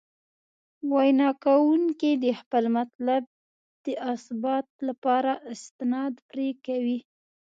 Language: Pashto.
وینا کوونکي د خپل مطلب د اثبات لپاره استناد پرې کوي.